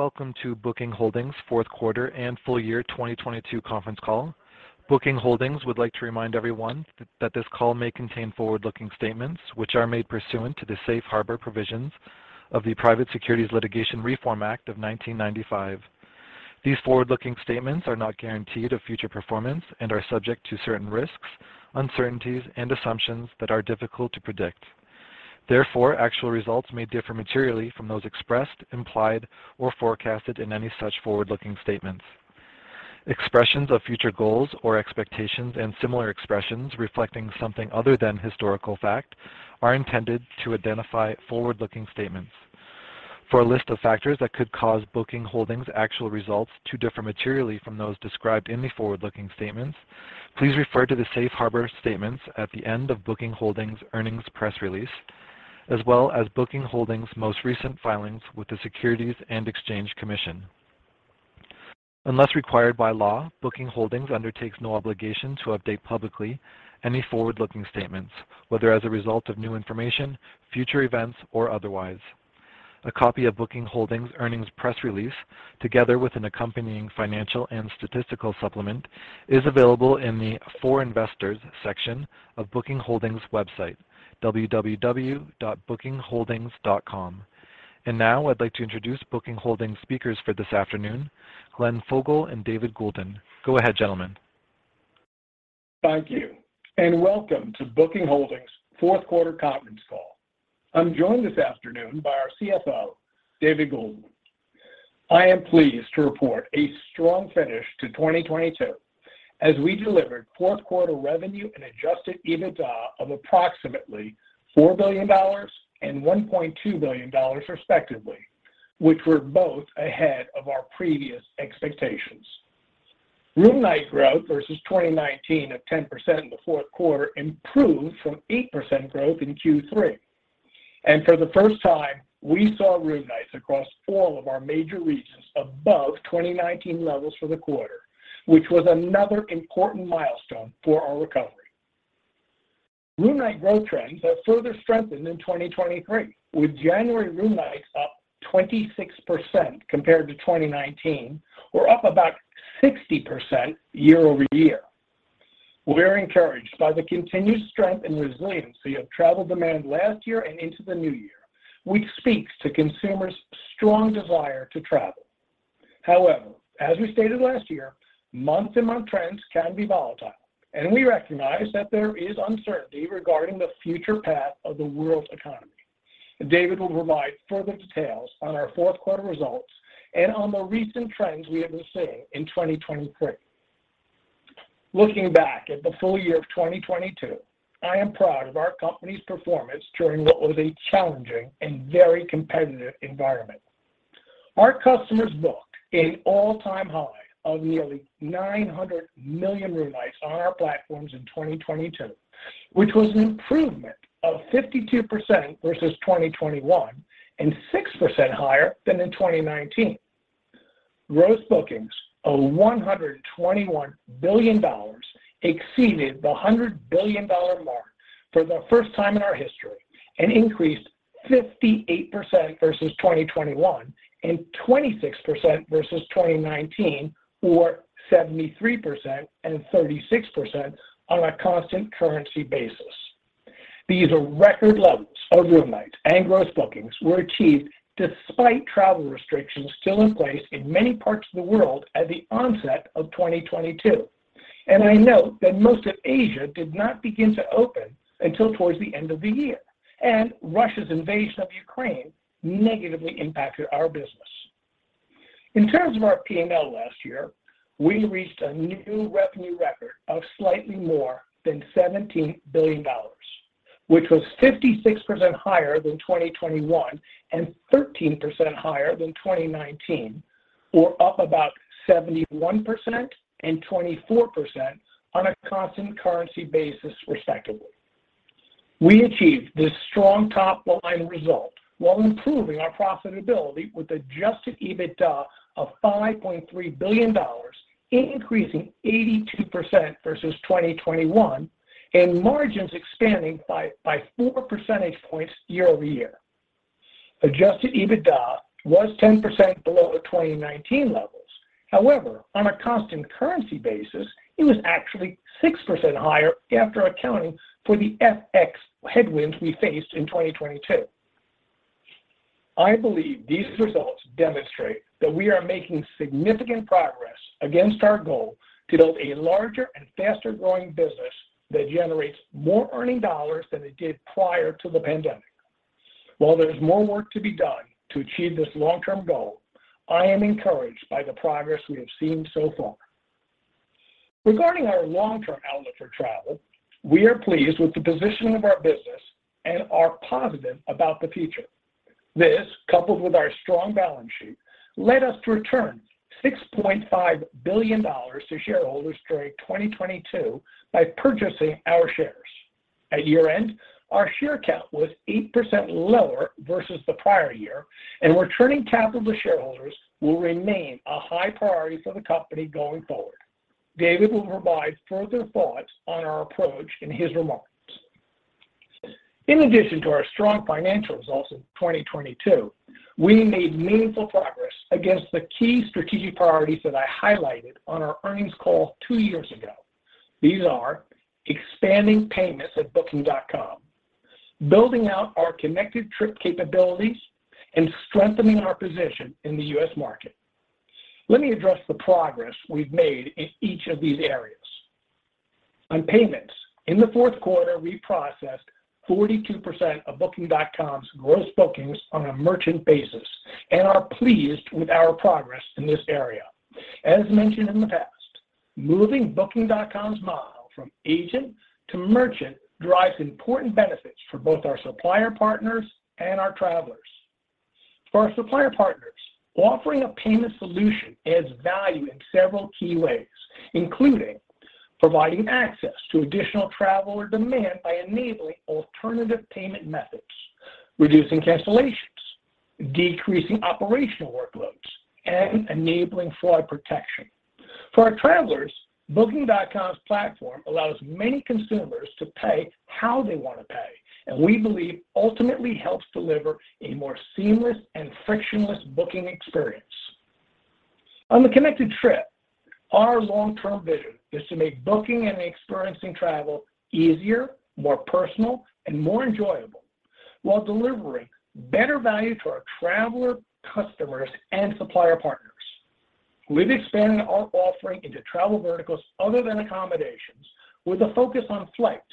Welcome to Booking Holdings Fourth Quarter and Full Year 2022 Conference Call. Booking Holdings would like to remind everyone that this call may contain forward-looking statements, which are made pursuant to the Safe Harbor Provisions of the Private Securities Litigation Reform Act of 1995. These forward-looking statements are not guaranteed of future performance and are subject to certain risks, uncertainties, and assumptions that are difficult to predict. Therefore, actual results may differ materially from those expressed, implied, or forecasted in any such forward-looking statements. Expressions of future goals or expectations and similar expressions reflecting something other than historical fact are intended to identify forward-looking statements. For a list of factors that could cause Booking Holdings actual results to differ materially from those described in the forward-looking statements, please refer to the Safe Harbor statements at the end of Booking Holdings earnings press release, as well as Booking Holdings most recent filings with the Securities and Exchange Commission. Unless required by law, Booking Holdings undertakes no obligation to update publicly any forward-looking statements, whether as a result of new information, future events, or otherwise. A copy of Booking Holdings earnings press release, together with an accompanying financial and statistical supplement, is available in the For Investors section of Booking Holdings website, www.bookingholdings.com. Now I'd like to introduce Booking Holdings speakers for this afternoon, Glenn Fogel and David Goulden. Go ahead, gentlemen. Thank you. Welcome to Booking Holdings fourth quarter conference call. I'm joined this afternoon by our CFO, David Goulden. I am pleased to report a strong finish to 2022 as we delivered fourth quarter revenue and Adjusted EBITDA of approximately $4 billion and $1.2 billion respectively, which were both ahead of our previous expectations. Room night growth versus 2019 of 10% in the fourth quarter improved from 8% growth in Q3. For the first time, we saw room nights across all of our major regions above 2019 levels for the quarter, which was another important milestone for our recovery. Room night growth trends have further strengthened in 2023, with January room nights up 26% compared to 2019 or up about 60% year-over-year. We're encouraged by the continued strength and resilience of travel demand last year and into the new year, which speaks to consumers' strong desire to travel. However, as we stated last year, month to month trends can be volatile, and we recognize that there is uncertainty regarding the future path of the world's economy. David will provide further details on our fourth quarter results and on the recent trends we have been seeing in 2023. Looking back at the full year of 2022, I am proud of our company's performance during what was a challenging and very competitive environment. Our customers booked an all-time high of nearly 900 million room nights on our platforms in 2022, which was an improvement of 52% versus 2021 and 6% higher than in 2019. Gross bookings of $121 billion exceeded the $100 billion mark for the first time in our history and increased 58% versus 2021 and 26% versus 2019 or 73% and 36% on a constant currency basis. These are record levels of room nights and gross bookings were achieved despite travel restrictions still in place in many parts of the world at the onset of 2022. I note that most of Asia did not begin to open until towards the end of the year, and Russia's invasion of Ukraine negatively impacted our business. In terms of our P&L last year, we reached a new revenue record of slightly more than $17 billion, which was 56% higher than 2021 and 13% higher than 2019, or up about 71% and 24% on a constant currency basis respectively. We achieved this strong top line result while improving our profitability with adjusted EBITDA of $5.3 billion, increasing 82% versus 2021, and margins expanding by 4 percentage points year-over-year. Adjusted EBITDA was 10% below the 2019 levels. However, on a constant currency basis, it was actually 6% higher after accounting for the FX headwinds we faced in 2022. I believe these results demonstrate that we are making significant progress against our goal to build a larger and faster growing business that generates more earning dollars than it did prior to the pandemic. While there's more work to be done to achieve this long-term goal, I am encouraged by the progress we have seen so far. Regarding our long-term outlook for travel, we are pleased with the positioning of our business and are positive about the future. This, coupled with our strong balance sheet, led us to return $6.5 billion to shareholders during 2022 by purchasing our shares. At year-end, our share count was 8% lower versus the prior year, and returning capital to shareholders will remain a high priority for the company going forward. David will provide further thoughts on our approach in his remarks. In addition to our strong financial results in 2022, we made meaningful progress against the key strategic priorities that I highlighted on our earnings call two years ago. These are expanding payments at Booking.com, building out our Connected Trip capabilities, and strengthening our position in the U.S. market. Let me address the progress we've made in each of these areas on payments. In the fourth quarter, we processed 42% of Booking.com's gross bookings on a merchant basis and are pleased with our progress in this area. As mentioned in the past, moving Booking.com's model from agent to merchant drives important benefits for both our supplier partners and our travelers. For our supplier partners, offering a payment solution adds value in several key ways, including providing access to additional traveler demand by enabling alternative payment methods, reducing cancellations, decreasing operational workloads, and enabling fraud protection. For our travelers, Booking.com's platform allows many consumers to pay how they want to pay, and we believe ultimately helps deliver a more seamless and frictionless booking experience. On the Connected Trip, our long term vision is to make booking and experiencing travel easier, more personal and more enjoyable, while delivering better value to our traveler customers and supplier partners. We've expanded our offering into travel verticals other than accommodations with a focus on flights,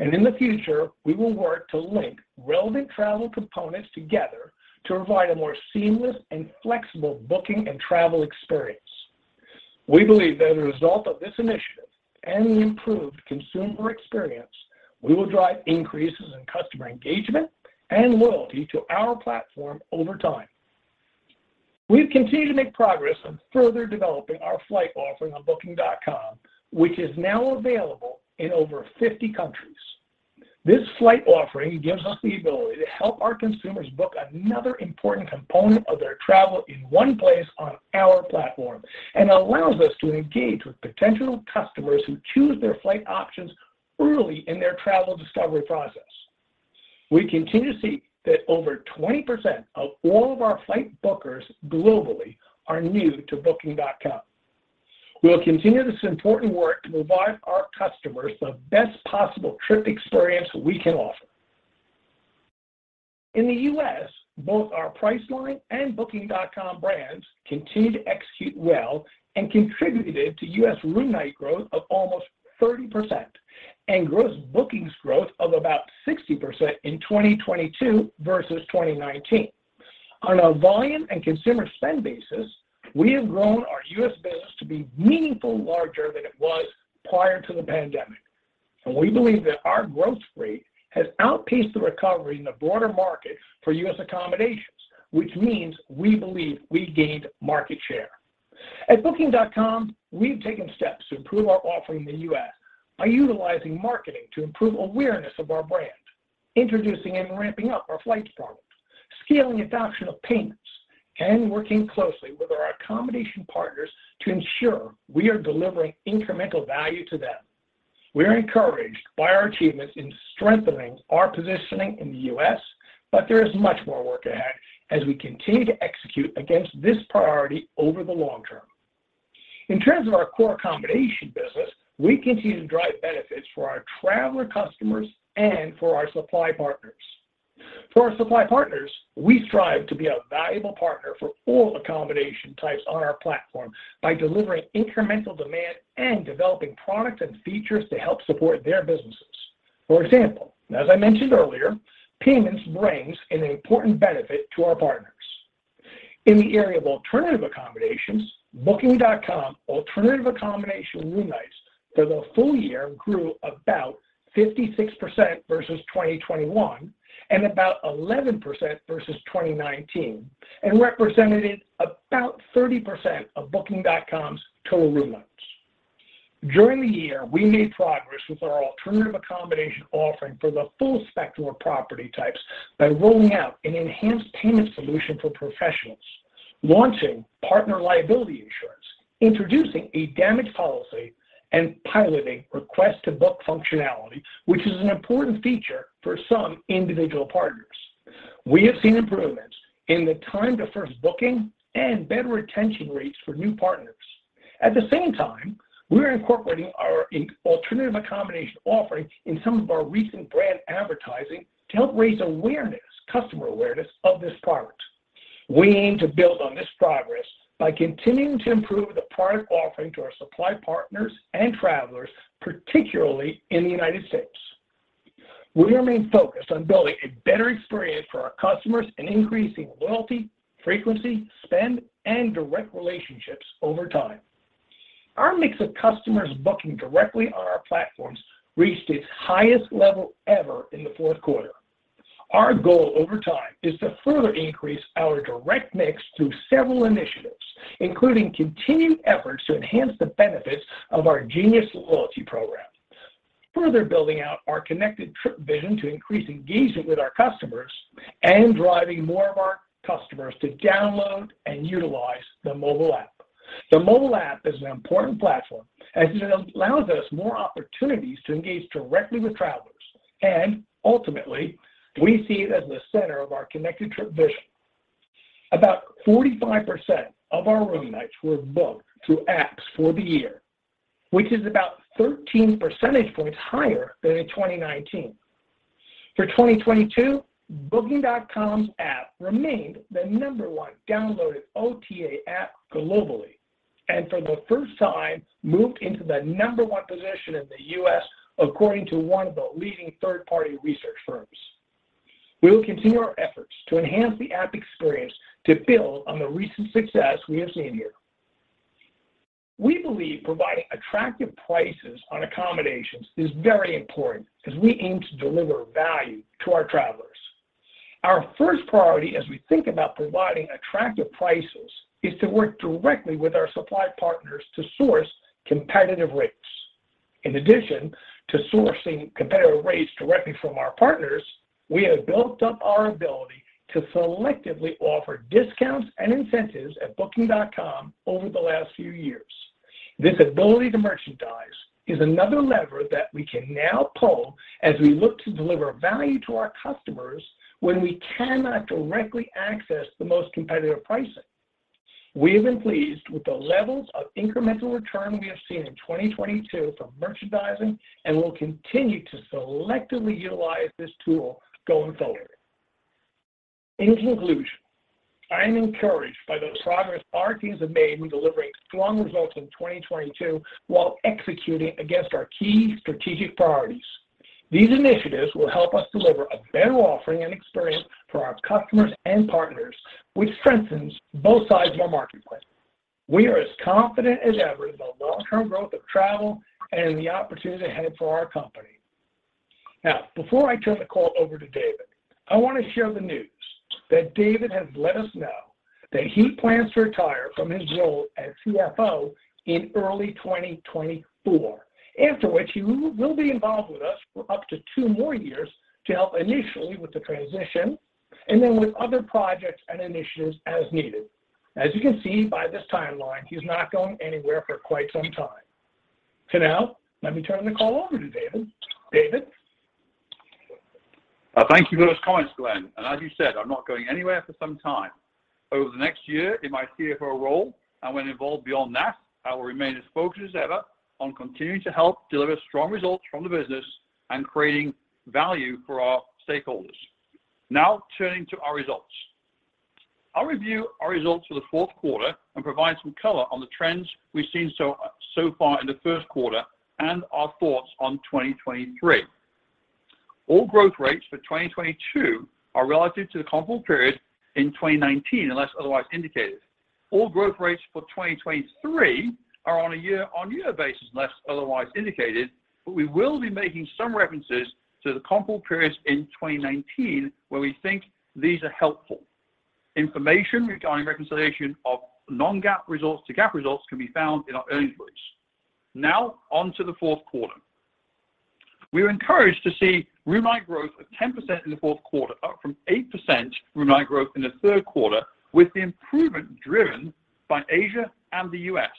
and in the future, we will work to link relevant travel components together to provide a more seamless and flexible booking and travel experience. We believe that as a result of this initiative and the improved consumer experience, we will drive increases in customer engagement and loyalty to our platform over time. We've continued to make progress on further developing our flight offering on Booking.com, which is now available in over 50 countries. This flight offering gives us the ability to help our consumers book another important component of their travel in one place on our platform, and allows us to engage with potential customers who choose their flight options early in their travel discovery process. We continue to see that over 20% of all of our flight bookers globally are new to Booking.com. We will continue this important work to provide our customers the best possible trip experience we can offer. In the U.S., both our Priceline and Booking.com brands continued to execute well and contributed to U.S. room night growth of almost 30% and gross bookings growth of about 60% in 2022 versus 2019. On a volume and consumer spend basis, we have grown our U.S. business to be meaningful larger than it was prior to the pandemic. We believe that our growth rate has outpaced the recovery in the broader market for U.S. accommodations. Which means we believe we gained market share. At Booking.com, we've taken steps to improve our offering in the U.S. by utilizing marketing to improve awareness of our brand, introducing and ramping up our flights product, scaling adoption of payments, and working closely with our accommodation partners to ensure we are delivering incremental value to them. We are encouraged by our achievements in strengthening our positioning in the U.S., but there is much more work ahead as we continue to execute against this priority over the long term. In terms of our core accommodation business, we continue to drive benefits for our traveler customers and for our supply partners. For our supply partners, we strive to be a valuable partner for all accommodation types on our platform by delivering incremental demand and developing products and features to help support their businesses. For example, as I mentioned earlier, payments brings an important benefit to our partners. In the area of alternative accommodations Booking.com alternative accommodation room nights for the full year grew about 56% versus 2021 and about 11% versus 2019, and represented about 30% of Booking.com's total room nights. During the year, we made progress with our alternative accommodation offering for the full spectrum of property types by rolling out an enhanced payment solution for professionals, launching partner liability insurance, introducing a damage policy and piloting request to book functionality, which is an important feature for some individual partners. We have seen improvements in the time to first booking and better retention rates for new partners. At the same time, we are incorporating our alternative accommodation offering in some of our recent brand advertising to help raise awareness, customer awareness of this product. We aim to build on this progress by continuing to improve the product offering to our supply partners and travelers, particularly in the United States. We remain focused on building a better experience for our customers and increasing loyalty, frequency, spend and direct relationships over time. Our mix of customers booking directly on our platforms reached its highest level ever in the fourth quarter. Our goal over time is to further increase our direct mix through several initiatives, including continued efforts to enhance the benefits of our Genius loyalty program, further building out our Connected Trip vision to increase engagement with our customers, and driving more of our customers to download and utilize the mobile app. The mobile app is an important platform as it allows us more opportunities to engage directly with travelers and ultimately, we see it as the center of our Connected Trip vision. About 45% of our room nights were booked through apps for the year, which is about 13 percentage points higher than in 2019. For 2022, Booking.com's app remained the number one downloaded OTA app globally, and for the first time moved into the number one position in the U.S. according to one of the leading third-party research firms. We will continue our efforts to enhance the app experience to build on the recent success we have seen here. We believe providing attractive prices on accommodations is very important as we aim to deliver value to our travelers. Our first priority as we think about providing attractive prices is to work directly with our supply partners to source competitive rates. In addition to sourcing competitive rates directly from our partners, we have built up our ability to selectively offer discounts and incentives at Booking.com over the last few years. This ability to merchandise is another lever that we can now pull as we look to deliver value to our customers when we cannot directly access the most competitive pricing. We have been pleased with the levels of incremental return we have seen in 2022 from merchandising, and will continue to selectively utilize this tool going forward. In conclusion, I am encouraged by the progress our teams have made in delivering strong results in 2022 while executing against our key strategic priorities. These initiatives will help us deliver a better offering and experience for our customers and partners, which strengthens both sides of our marketplace. We are as confident as ever in the long-term growth of travel and in the opportunity ahead for our company. Before I turn the call over to David, I want to share the news that David has let us know that he plans to retire from his role as CFO in early 2024. After which, he will be involved with us for up to two more years to help initially with the transition and then with other projects and initiatives as needed. As you can see by this timeline, he's not going anywhere for quite some time. Now let me turn the call over to David. David? Thank you for those comments, Glenn. As you said, I'm not going anywhere for some time. Over the next year in my CFO role and when involved beyond that, I will remain as focused as ever on continuing to help deliver strong results from the business and creating value for our stakeholders. Turning to our results. I'll review our results for the fourth quarter and provide some color on the trends we've seen so far in the first quarter and our thoughts on 2023. All growth rates for 2022 are relative to the comparable period in 2019, unless otherwise indicated. All growth rates for 2023 are on a year-over-year basis, unless otherwise indicated. We will be making some references to the comparable periods in 2019 where we think these are helpful. Information regarding reconciliation of non-GAAP results to GAAP results can be found in our earnings release. Now on to the fourth quarter. We were encouraged to see room night growth of 10% in the fourth quarter, up from 8% room night growth in the third quarter, with the improvement driven by Asia and the U.S.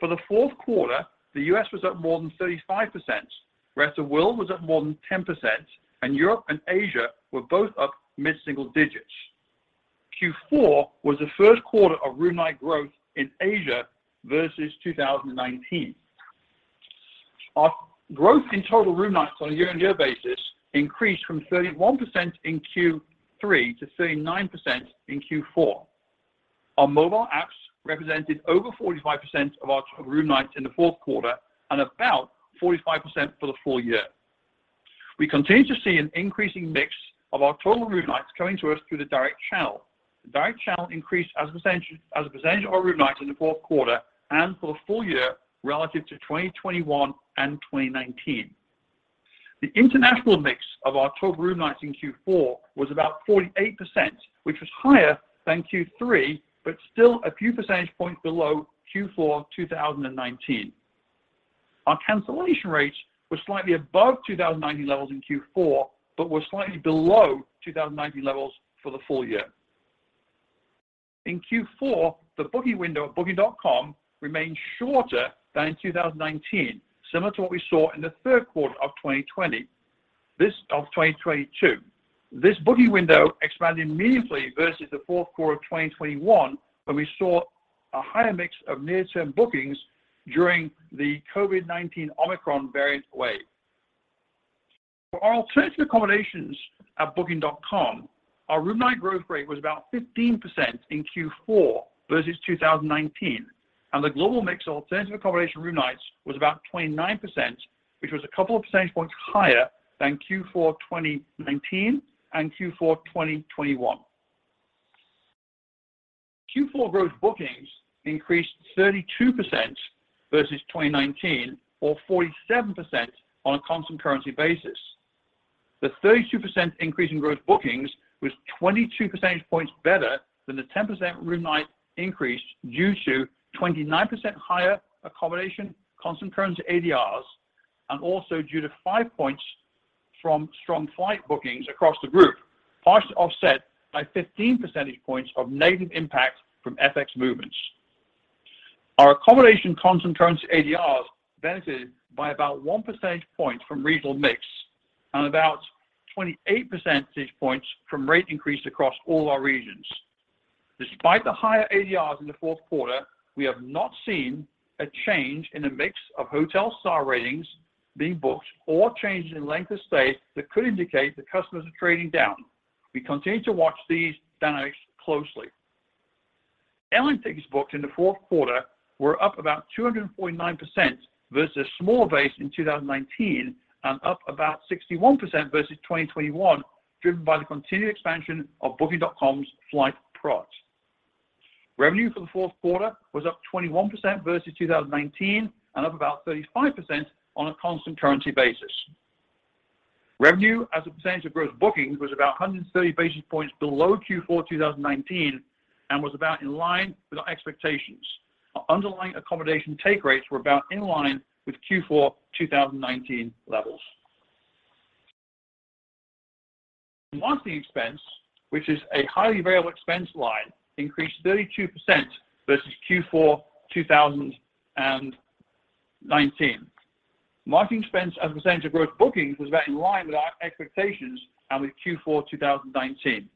For the fourth quarter, the U.S. was up more than 35%. Rest of world was up more than 10%, and Europe and Asia were both up mid-single digits. Q4 was the first quarter of room night growth in Asia versus 2019. Our growth in total room nights on a year-on-year basis increased from 31% in Q3 to 39% in Q4. Our mobile apps represented over 45% of our total room nights in the fourth quarter and about 45% for the full year. We continue to see an increasing mix of our total room nights coming to us through the direct channel. The direct channel increased as a percentage of our room nights in the fourth quarter and for the full year relative to 2021 and 2019. The international mix of our total room nights in Q4 was about 48%, which was higher than Q3, but still a few percentage points below Q4 2019. Our cancellation rates were slightly above 2019 levels in Q4, but were slightly below 2019 levels for the full year. In Q4, the booking window at Booking.com remained shorter than in 2019, similar to what we saw in the third quarter of 2022. This booking window expanded meaningfully versus the fourth quarter of 2021, when we saw a higher mix of near-term bookings during the COVID-19 Omicron variant wave. For our alternative accommodations at Booking.com, our room night growth rate was about 15% in Q4 versus 2019, and the global mix of alternative accommodation room nights was about 29%, which was a couple of percentage points higher than Q4 2019 and Q4 2021. Q4 growth bookings increased 32% versus 2019 or 47% on a constant currency basis. The 32% increase in growth bookings was 22 percentage points better than the 10% room night increase due to 29% higher accommodation constant currency ADRs and also due to 5 points from strong flight bookings across the group, partially offset by 15 percentage points of negative impact from FX movements. Our accommodation constant currency ADRs benefited by about 1 percentage point from regional mix and about 28 percentage points from rate increase across all our regions. Despite the higher ADRs in the fourth quarter, we have not seen a change in the mix of hotel star ratings being booked or changes in length of stay that could indicate that customers are trading down. We continue to watch these dynamics closely. Airline tickets booked in the fourth quarter were up about 249% versus a smaller base in 2019, and up about 61% versus 2021, driven by the continued expansion of Booking.com's flight product. Revenue for the fourth quarter was up 21% versus 2019, and up about 35% on a constant currency basis. Revenue as a percentage of gross bookings was about 130 basis points below Q4 2019, and was about in line with our expectations. Our underlying accommodation take rates were about in line with Q4 2019 levels. Marketing expense, which is a highly variable expense line, increased 32% versus Q4 2019. Marketing expense as a percentage of gross bookings was about in line with our expectations and with Q4 2019.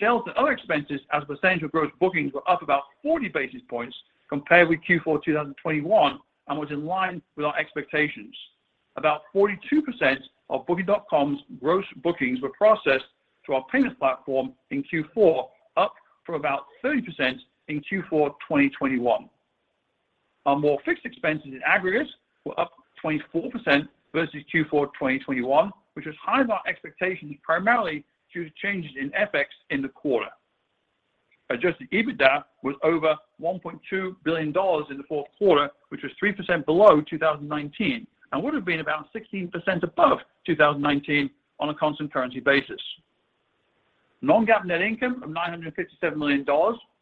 Sales and other expenses as a percentage of gross bookings were up about 40 basis points compared with Q4 2021, and was in line with our expectations. About 42% of Booking.com's gross bookings were processed through our payments platform in Q4, up from about 30% in Q4 2021. Our more fixed expenses in aggregate were up 24% versus Q4 2021, which was higher than our expectations primarily due to changes in FX in the quarter. Adjusted EBITDA was over $1.2 billion in the fourth quarter, which was 3% below 2019, and would have been about 16% above 2019 on a constant currency basis. non-GAAP net income of $957 million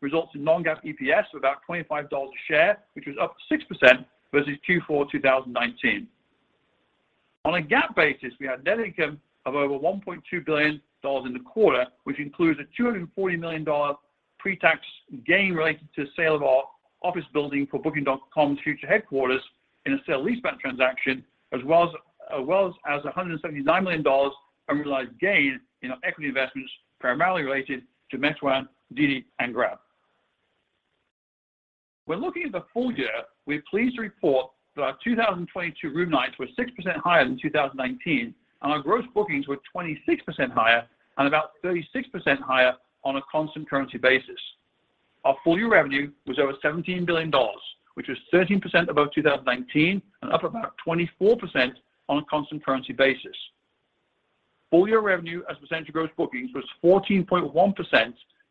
results in non-GAAP EPS of about $25 a share, which was up 6% versus Q4 2019. On a GAAP basis, we had net income of over $1.2 billion in the quarter, which includes a $240 million pre-tax gain related to the sale of our office building for Booking.com's future headquarters in a sale-leaseback transaction, as well as a $179 million unrealized gain in our equity investments primarily related to Meituan, DiDi, and Grab. When looking at the full year, we're pleased to report that our 2022 room nights were 6% higher than 2019, and our gross bookings were 26% higher and about 36% higher on a constant currency basis. Our full-year revenue was over $17 billion, which was 13% above 2019 and up about 24% on a constant currency basis. Full-year revenue as a percentage of gross bookings was 14.1%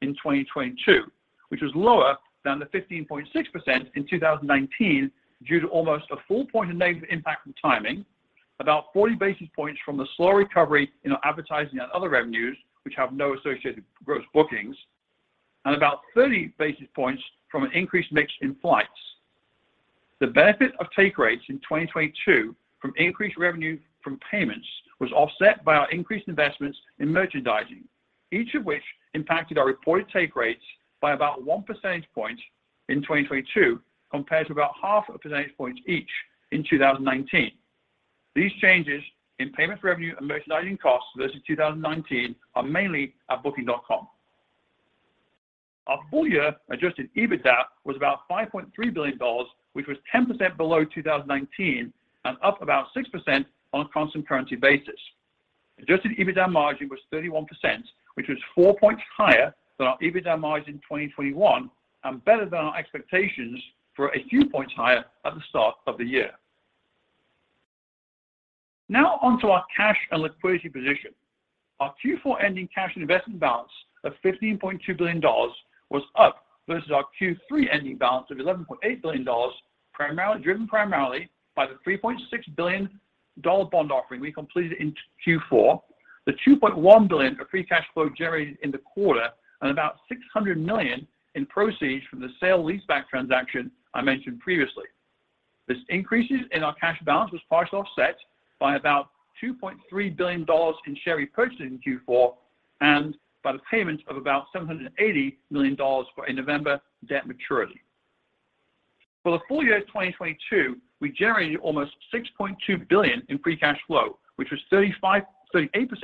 in 2022, which was lower than the 15.6% in 2019 due to almost a full point of negative impact from timing, about 40 basis points from the slow recovery in our advertising and other revenues which have no associated gross bookings, and about 30 basis points from an increased mix in flights. The benefit of take rates in 2022 from increased revenue from payments was offset by our increased investments in merchandising, each of which impacted our reported take rates by about 1 percentage point in 2022 compared to about half a percentage point each in 2019. These changes in payments revenue and merchandising costs versus 2019 are mainly at Booking.com. Our full-year Adjusted EBITDA was about $5.3 billion, which was 10% below 2019 and up about 6% on a constant currency basis. Adjusted EBITDA margin was 31%, which was 4 points higher than our EBITDA margin in 2021 and better than our expectations for a few points higher at the start of the year. Now on to our cash and liquidity position Our Q4 ending cash and investment balance of $15.2 billion was up versus our Q3 ending balance of $11.8 billion, driven primarily by the $3.6 billion bond offering we completed in Q4, the $2.1 billion of free cash flow generated in the quarter, and about $600 million in proceeds from the sale-leaseback transaction I mentioned previously. This increases in our cash balance was partially offset by about $2.3 billion in share repurchase in Q4 and by the payment of about $780 million for a November debt maturity. For the full year of 2022, we generated almost $6.2 billion in free cash flow, which was 38%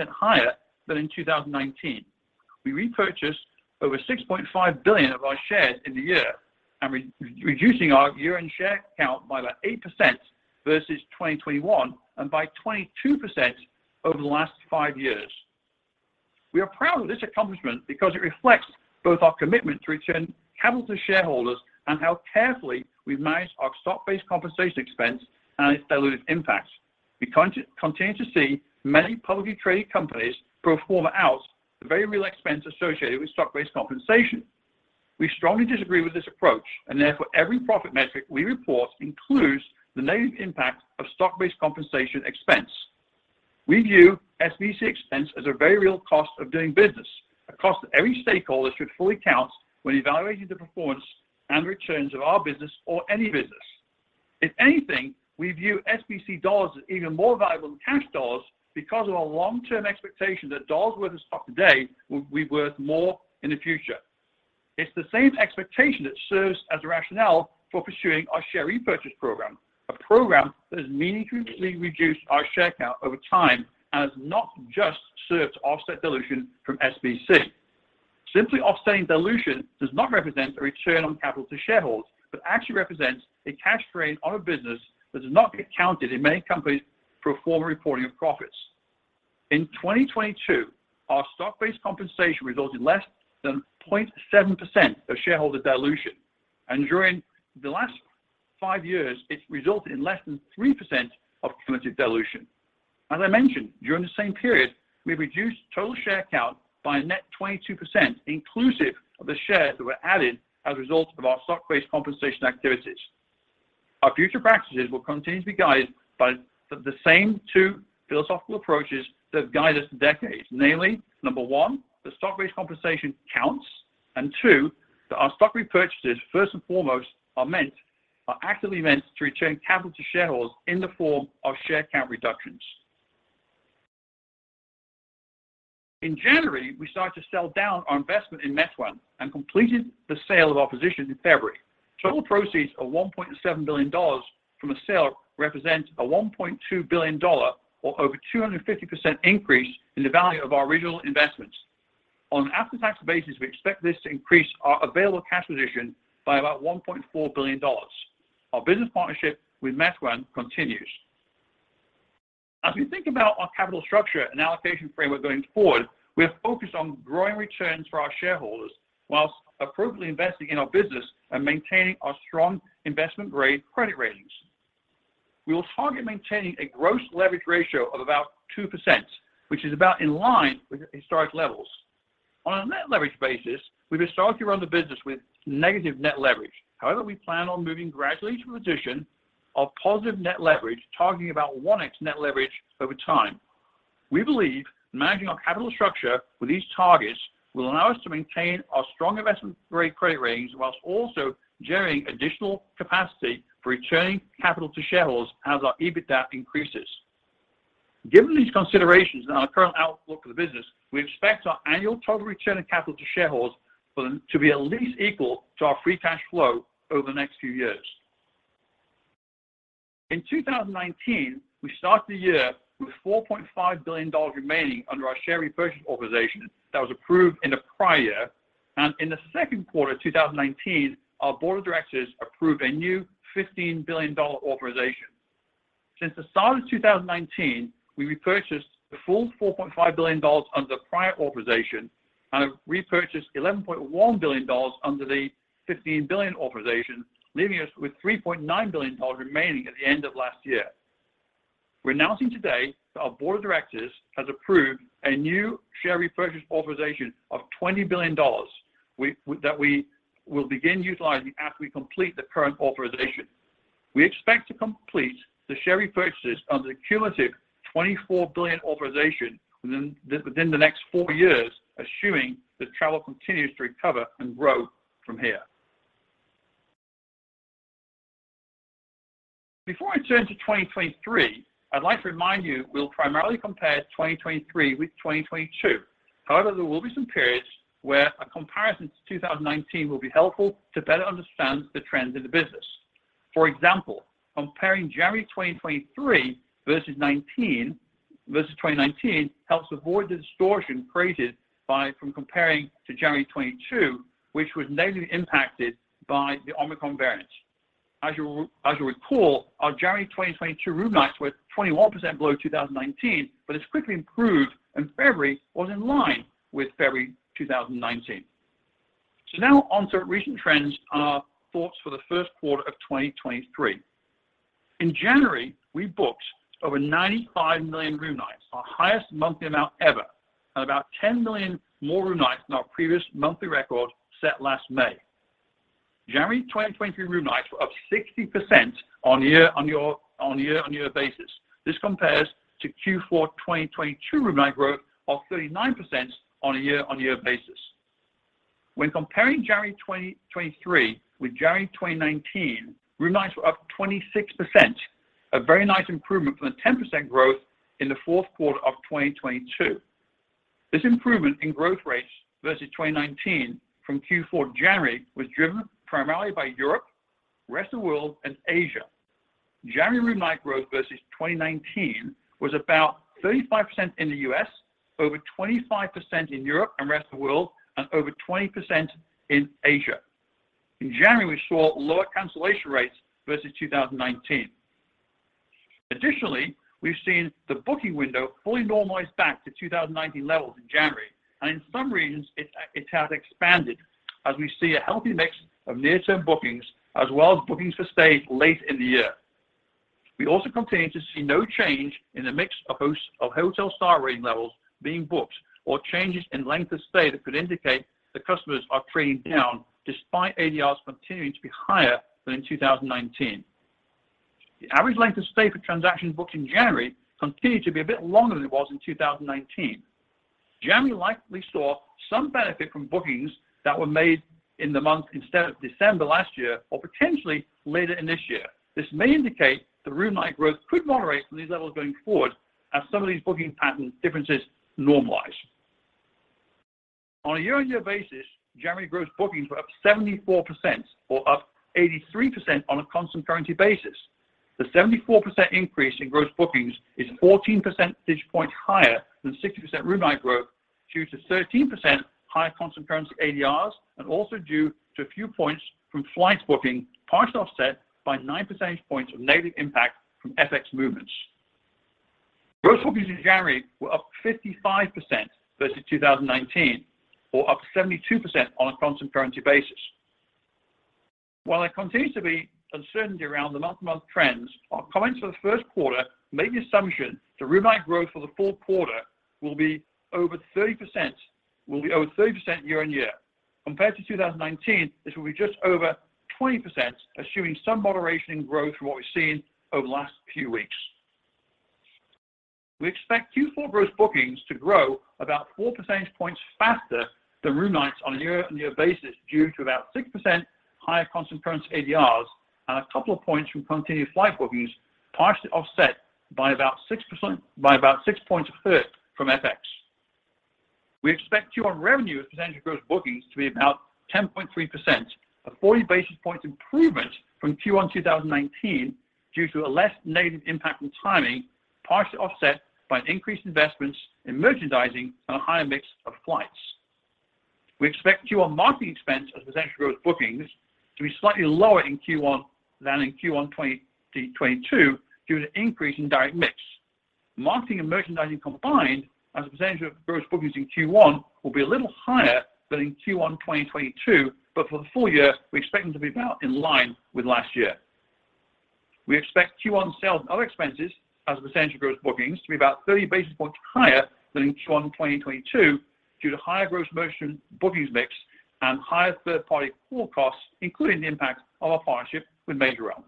higher than in 2019. We repurchased over $6.5 billion of our shares in the year and reducing our year-end share count by about 8% versus 2021 and by 22% over the last five years. We are proud of this accomplishment because it reflects both our commitment to return capital to shareholders and how carefully we've managed our stock-based compensation expense and its dilutive impact. We continue to see many publicly traded companies perform out the very real expense associated with stock-based compensation. We strongly disagree with this approach. Therefore, every profit metric we report includes the negative impact of stock-based compensation expense. We view SBC expense as a very real cost of doing business, a cost that every stakeholder should fully count when evaluating the performance and returns of our business or any business. If anything, we view SBC dollars as even more valuable than cash dollars because of our long-term expectation that dollars worth of stock today will be worth more in the future. It's the same expectation that serves as a rationale for pursuing our share repurchase program, a program that has meaningfully reduced our share count over time and has not just served to offset dilution from SBC. Simply offsetting dilution does not represent a return on capital to shareholders, but actually represents a cash drain on a business that does not get counted in many companies' pro forma reporting of profits. In 2022, our stock-based compensation resulted in less than 0.7% of shareholder dilution, and during the last five years, it's resulted in less than 3% of cumulative dilution. As I mentioned, during the same period, we reduced total share count by a net 22%, inclusive of the shares that were added as a result of our stock-based compensation activities. Our future practices will continue to be guided by the same two philosophical approaches that have guided us for decades. Namely, number one, the stock-based compensation counts, and two, that our stock repurchases, first and foremost, are actively meant to return capital to shareholders in the form of share count reductions. In January, we started to sell down our investment in Meituan and completed the sale of our positions in February. Total proceeds of $1.7 billion from the sale represent a $1.2 billion, or over 250% increase in the value of our original investments. On an after-tax basis, we expect this to increase our available cash position by about $1.4 billion. Our business partnership with Meituan continues. As we think about our capital structure and allocation framework going forward, we are focused on growing returns for our shareholders whilst appropriately investing in our business and maintaining our strong investment-grade credit ratings. We will target maintaining a gross leverage ratio of about 2%, which is about in line with historic levels. On a net leverage basis, we've historically run the business with negative net leverage. However, we plan on moving gradually to a position of positive net leverage, targeting about 1x net leverage over time. We believe managing our capital structure with these targets will allow us to maintain our strong investment-grade credit ratings while also generating additional capacity for returning capital to shareholders as our EBITDA increases. Given these considerations and our current outlook for the business, we expect our annual total return on capital to shareholders to be at least equal to our free cash flow over the next few years. In 2019, we started the year with $4.5 billion remaining under our share repurchase authorization that was approved in the prior year. In the second quarter of 2019, our board of directors approved a new $15 billion authorization. Since the start of 2019, we repurchased the full $4.5 billion under the prior authorization and have repurchased $11.1 billion under the $15 billion authorization, leaving us with $3.9 billion remaining at the end of last year. We're announcing today that our board of directors has approved a new share repurchase authorization of $20 billion that we will begin utilizing after we complete the current authorization. We expect to complete the share repurchases under the cumulative $24 billion authorization within the next 4 years, assuming that travel continues to recover and grow from here. Before I turn to 2023, I'd like to remind you we'll primarily compare 2023 with 2022. However, there will be some periods where a comparison to 2019 will be helpful to better understand the trends in the business. For example, comparing January 2023 versus 2019 helps avoid the distortion created from comparing to January 2022, which was negatively impacted by the Omicron variant. As you'll recall, our January 2022 room nights were 21% below 2019, but this quickly improved, and February was in line with February 2019. Now on to recent trends and our thoughts for the first quarter of 2023. In January, we booked over 95 million room nights, our highest monthly amount ever, and about 10 million more room nights than our previous monthly record set last May. January 2023 room nights were up 60% on year-on-year basis. This compares to Q4 2022 room night growth of 39% on a year-on-year basis. When comparing January 2023 with January 2019, room nights were up 26%, a very nice improvement from the 10% growth in the fourth quarter of 2022. This improvement in growth rates versus 2019 from Q4 to January was driven primarily by Europe, rest of the world, and Asia. January room night growth versus 2019 was about 35% in the U.S., over 25% in Europe and rest of the world, and over 20% in Asia. In January, we saw lower cancellation rates versus 2019. We've seen the booking window fully normalize back to 2019 levels in January, and in some regions it has expanded as we see a healthy mix of near-term bookings as well as bookings for stays late in the year. We also continue to see no change in the mix of hotel star rating levels being booked or changes in length of stay that could indicate that customers are trading down despite ADRs continuing to be higher than in 2019. The average length of stay for transactions booked in January continued to be a bit longer than it was in 2019. January likely saw some benefit from bookings that were made in the month instead of December last year or potentially later in this year. This may indicate the room night growth could moderate from these levels going forward as some of these booking pattern differences normalize. On a year-over-year basis, January gross bookings were up 74% or up 83% on a constant currency basis. The 74% increase in gross bookings is 14 percentage points higher than 60% room night growth due to 13% higher constant currency ADRs, and also due to a few points from flights booking, partially offset by 9 percentage points of negative impact from FX movements. Gross bookings in January were up 55% versus 2019, or up 72% on a constant currency basis. While there continues to be uncertainty around the month-to-month trends, our comments for the first quarter make the assumption that room night growth for the full quarter will be over 30% year-on-year. Compared to 2019, this will be just over 20%, assuming some moderation in growth from what we've seen over the last few weeks. We expect Q4 gross bookings to grow about four percentage points faster than room nights on a year-on-year basis due to about 6% higher constant currency ADRs and 2 points from continued flight bookings, partially offset by about six points of hurt from FX. We expect Q1 revenue as a percentage of gross bookings to be about 10.3%, a 40 basis point improvement from Q1 2019 due to a less negative impact from timing, partially offset by increased investments in merchandising and a higher mix of flights. We expect Q1 marketing expense as a percentage of gross bookings to be slightly lower in Q1 than in Q1 2022 due to an increase in direct mix. Marketing and merchandising combined as a percentage of gross bookings in Q1 will be a little higher than in Q1 2022, for the full year, we expect them to be about in line with last year. We expect Q1 sales and other expenses as a percentage of gross bookings to be about 30 basis points higher than in Q1 2022 due to higher gross merchant bookings mix and higher third-party pool costs, including the impact of our partnership with Majorel.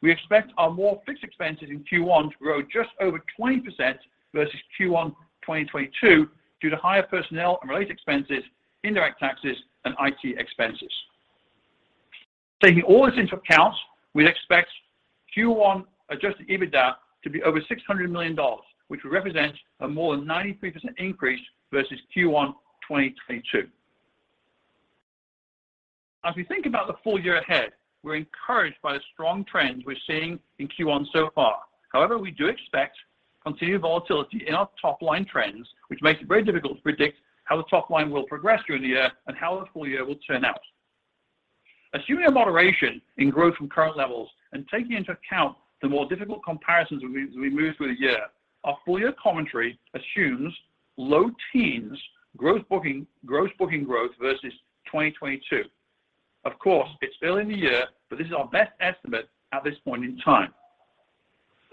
We expect our more fixed expenses in Q1 to grow just over 20% versus Q1 2022 due to higher personnel and related expenses, indirect taxes, and IT expenses. Taking all this into account, we expect Q1 adjusted EBITDA to be over $600 million, which would represent a more than 93% increase versus Q1 2022. As we think about the full year ahead, we're encouraged by the strong trends we're seeing in Q1 so far. However, we do expect continued volatility in our top-line trends, which makes it very difficult to predict how the top line will progress during the year and how the full year will turn out. Assuming a moderation in growth from current levels and taking into account the more difficult comparisons we move through the year, our full year commentary assumes low teens growth gross booking growth versus 2022. Of course, it's early in the year, but this is our best estimate at this point in time.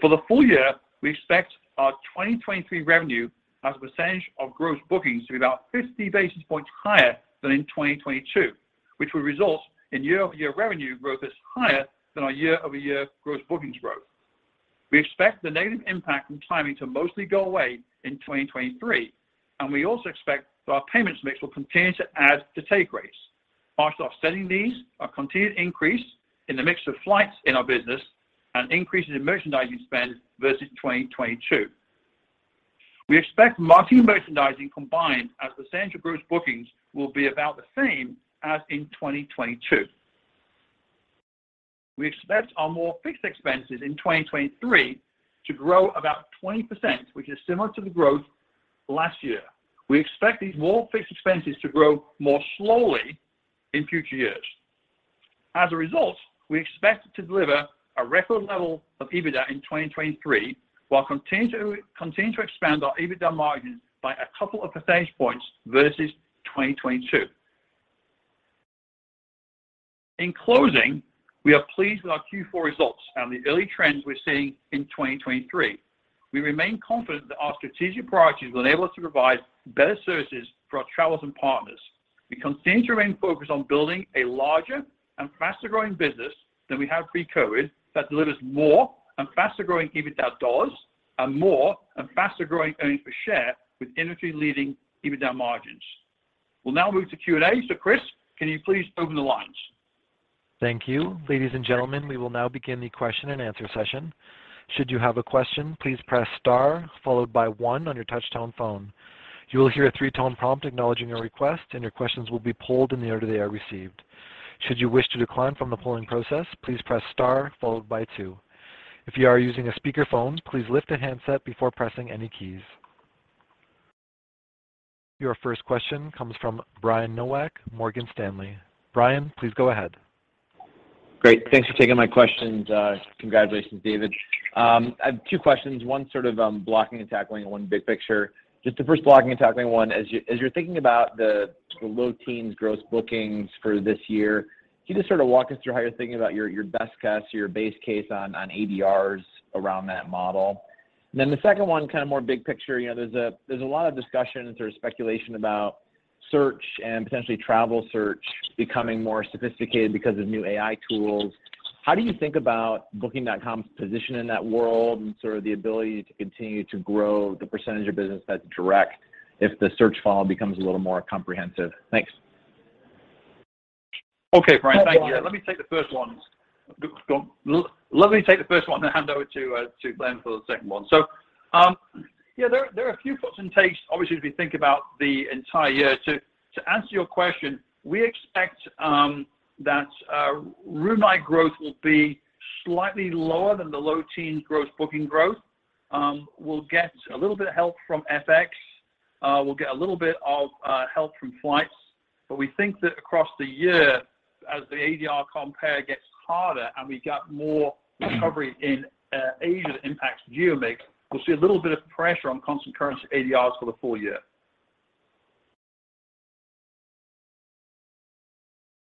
For the full year, we expect our 2023 revenue as a percentage of gross bookings to be about 50 basis points higher than in 2022, which will result in year-over-year revenue growth that's higher than our year-over-year gross bookings growth. We expect the negative impact from timing to mostly go away in 2023. We also expect that our payments mix will continue to add to take rates, partially offsetting these, our continued increase in the mix of flights in our business, and increases in merchandising spend versus 2022. We expect marketing and merchandising combined as a percentage of gross bookings will be about the same as in 2022. We expect our more fixed expenses in 2023 to grow about 20%, which is similar to the growth last year. We expect these more fixed expenses to grow more slowly in future years. As a result, we expect to deliver a record level of EBITDA in 2023, while continuing to expand our EBITDA margins by a couple of percentage points versus 2022. In closing, we are pleased with our Q4 results and the early trends we're seeing in 2023. We remain confident that our strategic priorities will enable us to provide better services for our travelers and partners. We continue to remain focused on building a larger and faster-growing business than we had pre-COVID that delivers more and faster-growing EBITDA dollars and more and faster-growing earnings per share with industry-leading EBITDA margins. We'll now move to Q&A. Chris, can you please open the lines? Thank you. Ladies and gentlemen, we will now begin the question and answer session. Should you have a question, please press star followed by 1 on your touchtone phone. You will hear a three-tone prompt acknowledging your request, and your questions will be polled in the order they are received. Should you wish to decline from the polling process, please press star followed by 2. If you are using a speakerphone, please lift the handset before pressing any keys. Your first question comes from Brian Nowak, Morgan Stanley. Brian, please go ahead. Great. Thanks for taking my questions. Congratulations, David. I have two questions. One sort of blocking and tackling and one big picture. Just the first blocking and tackling one. As you're thinking about the low teens gross bookings for this year, can you just sort of walk us through how you're thinking about your best guess or your base case on ADRs around that model? The second one, kind of more big picture. You know, there's a lot of discussions or speculation about... Search and potentially travel search becoming more sophisticated because of new AI tools. How do you think about Booking.com's position in that world and sort of the ability to continue to grow the percentage of business that's direct if the search funnel becomes a little more comprehensive? Thanks. Okay, Brian, thank you. Let me take the first one, then hand over to Glenn for the second one. Yeah, there are a few thoughts and takes, obviously, as we think about the entire year. To, to answer your question, we expect that room night growth will be slightly lower than the low teen growth booking growth. We'll get a little bit of help from FX, we'll get a little bit of help from flights. We think that across the year as the ADR compare gets harder and we got more recovery in Asia that impacts geo mix, we'll see a little bit of pressure on constant currency ADRs for the full year.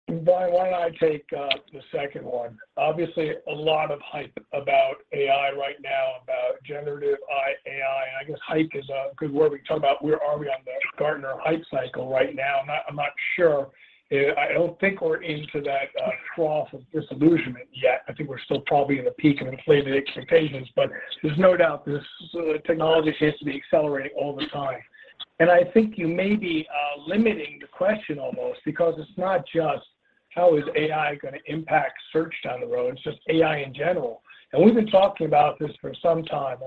Why don't I take the second one? Obviously a lot of hype about AI right now, about generative AI. I guess hype is a good word. We can talk about where are we on the Gartner Hype Cycle right now. I'm not sure. I don't think we're into that trough of disillusionment yet. I think we're still probably in the peak of inflated expectations. There's no doubt this technology seems to be accelerating all the time. I think you may be limiting the question almost because it's not just how is AI gonna impact search down the road, it's just AI in general. We've been talking about this for some time.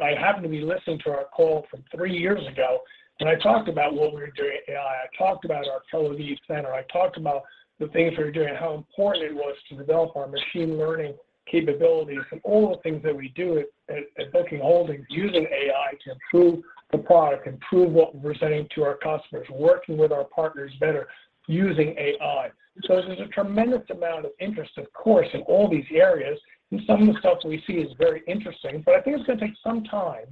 I happened to be listening to our call from three years ago. I talked about what we were doing at AI. I talked about our Tel Aviv center, I talked about the things we were doing, how important it was to develop our machine learning capabilities and all the things that we do at Booking Holdings using AI to improve the product, improve what we're sending to our customers, working with our partners better using AI. There's a tremendous amount of interest, of course, in all these areas, and some of the stuff we see is very interesting. I think it's gonna take some time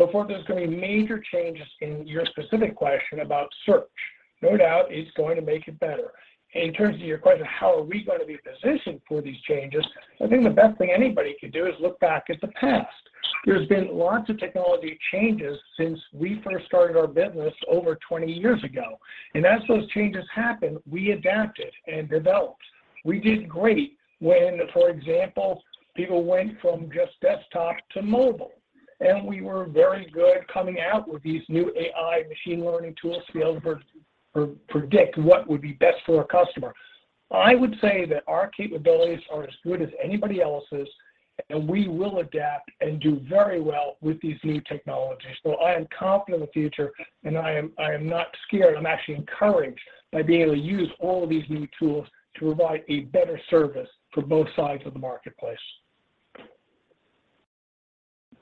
before there's gonna be major changes in your specific question about search. No doubt it's going to make it better. In terms of your question, how are we gonna be positioned for these changes, I think the best thing anybody could do is look back at the past. There's been lots of technology changes since we first started our business over 20 years ago. As those changes happened, we adapted and developed. We did great when, for example, people went from just desktop to mobile. We were very good coming out with these new AI machine learning tools to be able to predict what would be best for a customer. I would say that our capabilities are as good as anybody else's. We will adapt and do very well with these new technologies. I am confident in the future. I am not scared. I'm actually encouraged by being able to use all of these new tools to provide a better service for both sides of the marketplace.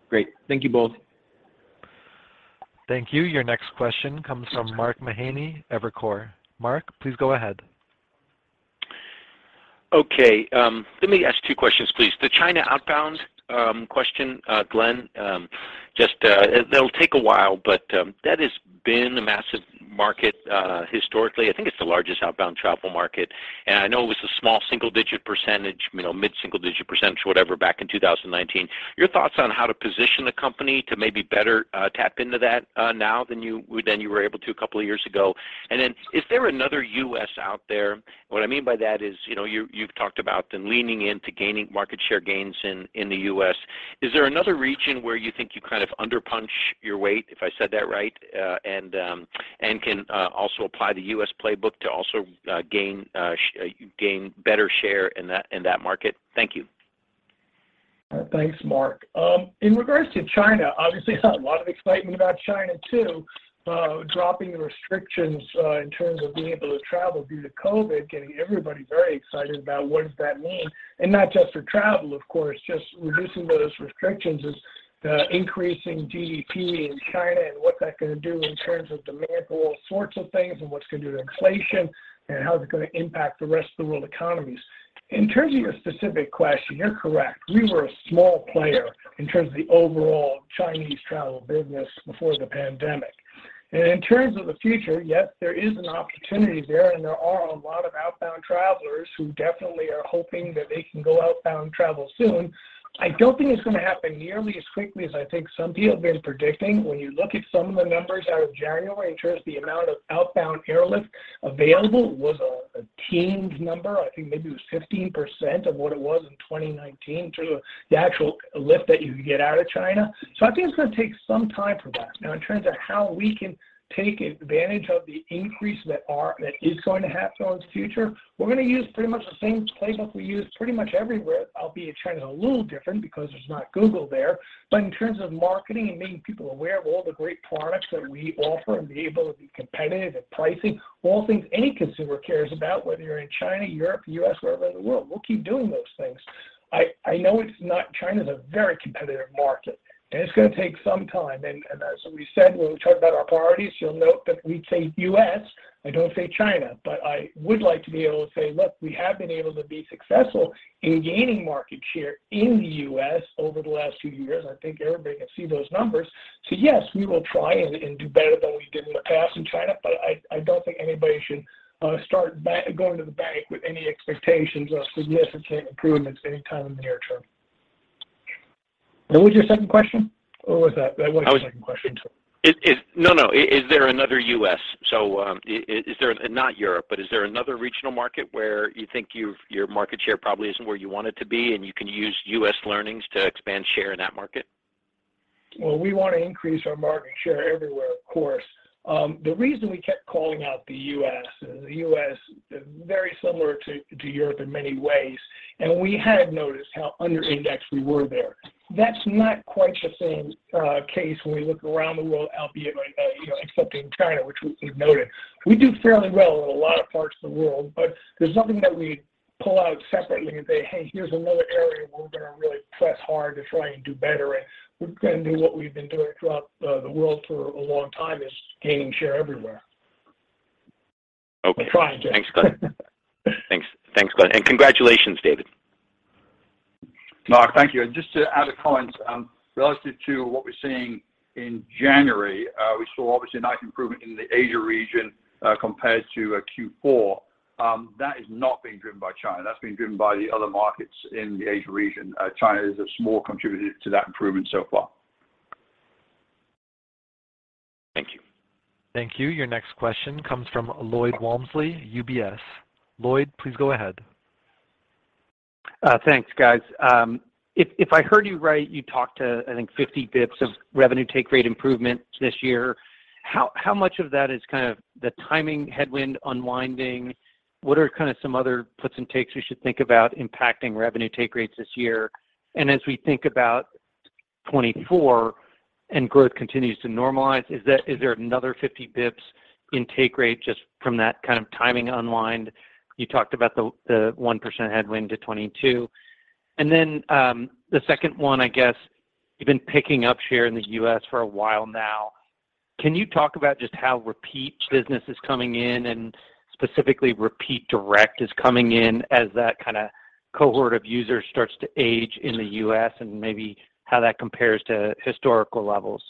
Great. Thank you both. Thank you. Your next question comes from Mark Mahaney, Evercore. Mark, please go ahead. Okay. Let me ask two questions, please. The China outbound question, Glenn. Just, it'll take a while, but that has been a massive market historically. I think it's the largest outbound travel market, and I know it was a small single-digit percentage, you know, mid-single-digit percentage, whatever, back in 2019. Your thoughts on how to position the company to maybe better tap into that now than you were able to a couple of years ago? Is there another U.S. out there? What I mean by that is, you know, you've talked about the leaning into gaining market share gains in the U.S. Is there another region where you think you kind of under-punch your weight, if I said that right, and can, also apply the U.S. playbook to also, gain better share in that market? Thank you. Thanks, Mark. In regards to China, obviously a lot of excitement about China too, dropping the restrictions, in terms of being able to travel due to COVID, getting everybody very excited about what does that mean? Not just for travel, of course, just reducing those restrictions is increasing GDP in China and what's that gonna do in terms of demand for all sorts of things and what it's gonna do to inflation and how it's gonna impact the rest of the world economies. In terms of your specific question, you're correct. We were a small player in terms of the overall Chinese travel business before the pandemic. In terms of the future, yes, there is an opportunity there, and there are a lot of outbound travelers who definitely are hoping that they can go outbound travel soon. I don't think it's gonna happen nearly as quickly as I think some people have been predicting. When you look at some of the numbers out of January in terms of the amount of outbound airlift available, it was a teens number. I think maybe it was 15% of what it was in 2019 in terms of the actual lift that you could get out of China. I think it's gonna take some time for that. In terms of how we can take advantage of the increase that is going to happen in the future, we're gonna use pretty much the same playbook we use pretty much everywhere, albeit China's a little different because there's not Google there. In terms of marketing and making people aware of all the great products that we offer and be able to be competitive and pricing, all things any consumer cares about, whether you're in China, Europe, U.S., wherever in the world, we'll keep doing those things. I know China's a very competitive market, and it's gonna take some time. As we said when we talked about our priorities, you'll note that we say U.S., I don't say China. I would like to be able to say, look, we have been able to be successful in gaining market share in the U.S. over the last few years. I think everybody can see those numbers. Yes, we will try and do better than we did in the past in China, I don't think anybody should start going to the bank with any expectations of significant improvements anytime in the near term. What was your second question? Or was that the second question? Is there another U.S.? Is there and not Europe, but is there another regional market where you think your market share probably isn't where you want it to be, and you can use U.S. learnings to expand share in that market? Well, we wanna increase our market share everywhere, of course. The reason we kept calling out the U.S., the U.S. is very similar to Europe in many ways, and we had noticed how underindexed we were there. That's not quite the same case when we look around the world, albeit, like, you know, except in China, which we've noted. We do fairly well in a lot of parts of the world, but there's nothing that we pull out separately and say, "Hey, here's another area where we're gonna really press hard to try and do better." We're gonna do what we've been doing throughout the world for a long time, is gaining share everywhere. Okay. We're trying to. Thanks, Glenn. Thanks, Glenn. Congratulations, David. Mark, thank you. Just to add a comment, relative to what we're seeing in January, we saw obviously a nice improvement in the Asia region, compared to Q4. That is not being driven by China. That's being driven by the other markets in the Asia region. China is a small contributor to that improvement so far. Thank you. Thank you. Your next question comes from Lloyd Walmsley, UBS. Lloyd, please go ahead. Thanks, guys. If I heard you right, you talked to, I think, 50 basis points of revenue take rate improvements this year. How much of that is kind of the timing headwind unwinding? What are kind of some other puts and takes we should think about impacting revenue take rates this year? As we think about 2024 and growth continues to normalize, is there another 50 basis points in take rate just from that kind of timing unwind? You talked about the 1% headwind to 2022. Then, the second one, I guess, you've been picking up share in the U.S. for a while now. Can you talk about just how repeat business is coming in, and specifically repeat direct is coming in as that kind of cohort of users starts to age in the U.S., and maybe how that compares to historical levels?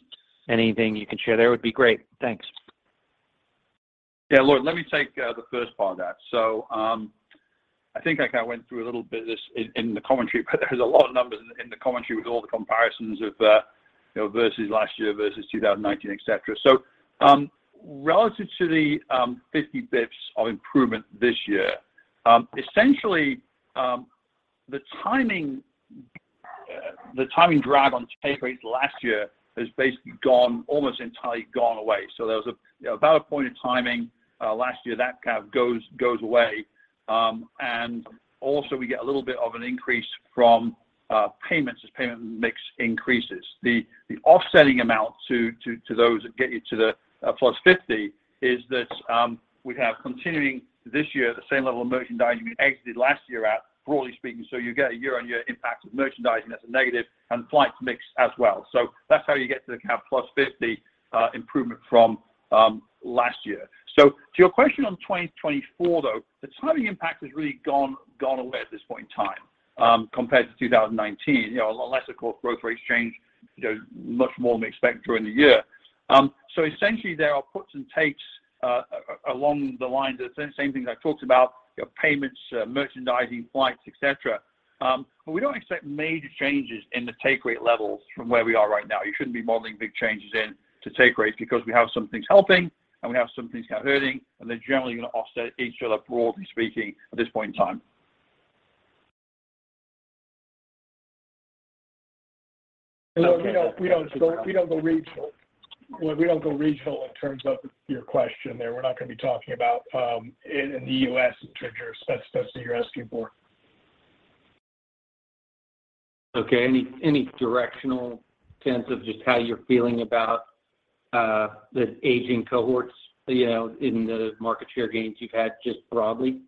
Anything you can share there would be great. Thanks. Lloyd, let me take the first part of that. I think I kind of went through a little bit of this in the commentary, but there's a lot of numbers in the commentary with all the comparisons of, you know, versus last year, versus 2019, et cetera. Relative to the 50 basis points of improvement this year, essentially, the timing drag on take rates last year has basically gone, almost entirely gone away. There was, you know, about one point of timing last year that kind of goes away. Also, we get a little bit of an increase from payments as payment mix increases. The offsetting amount to those that get you to the plus 50 is that we have continuing this year at the same level of merchandising we exited last year at, broadly speaking. You get a year-on-year impact of merchandising. That's a negative, and flights mix as well. That's how you get to the kind of plus 50 improvement from last year. To your question on 2024, though, the timing impact has really gone away at this point in time, compared to 2019. You know, unless, of course, growth rates change, you know, much more than we expect during the year. Essentially there are puts and takes along the lines of the same things I talked about, your payments, merchandising, flights, et cetera. We don't expect major changes in the take rate levels from where we are right now. You shouldn't be modeling big changes in to take rates because we have some things helping, and we have some things kind of hurting, and they're generally gonna offset each other, broadly speaking, at this point in time. You know, we don't go regional. Lloyd, we don't go regional in terms of your question there. We're not gonna be talking about, in the U.S. in terms of your spec stuff that you're asking for. Okay. Any directional sense of just how you're feeling about the aging cohorts, you know, in the market share gains you've had just broadly?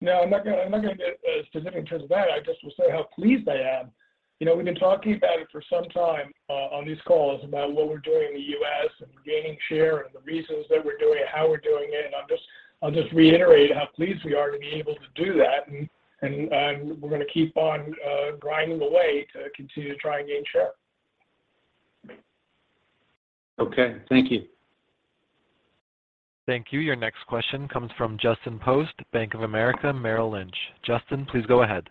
No, I'm not gonna get specific in terms of that. I just will say how pleased I am. You know, we've been talking about it for some time on these calls about what we're doing in the U.S. and gaining share and the reasons that we're doing it, how we're doing it, and I'll just reiterate how pleased we are to be able to do that. We're gonna keep on grinding away to continue to try and gain share. Okay. Thank you. Thank you. Your next question comes from Justin Post, Bank of America Merrill Lynch. Justin, please go ahead.